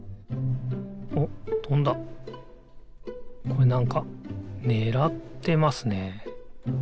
これなんかねらってますね。